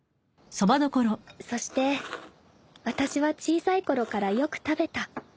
［そして私は小さいころからよく食べた］